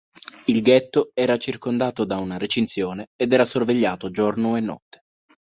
Il ghetto era circondato da una recinzione ed era sorvegliato giorno e notte.